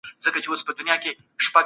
زکات ورکول د مال د برکت سبب ګرځي.